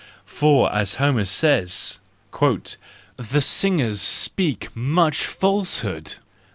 For, as Homer says. "The singers speak much falsehood!